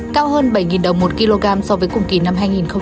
cao hơn bảy đồng một kg so với cùng kỳ năm hai nghìn hai mươi một